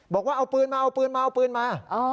บอกว่าเอาปืนมาเอาปืนมาเอาปืนมา